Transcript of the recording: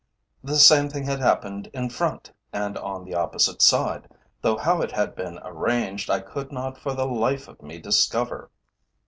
The same thing had happened in front and on the opposite side, though how it had been arranged, I could not for the life of me discover.